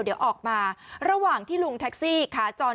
แล้วผมคอยลูกค้าผม